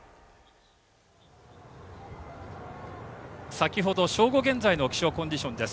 先程、正午現在の気象コンディションです。